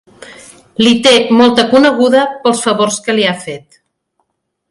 Li té molta coneguda pels favors que li ha fet.